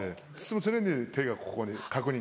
常に手がここに確認。